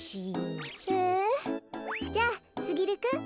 えじゃあすぎるくん。